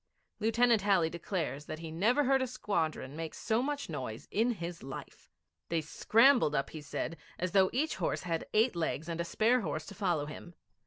Lieutenant Halley declares that he never heard a squadron make so much noise in his life. They scrambled up, he said, as though each horse had eight legs and a spare horse to follow him.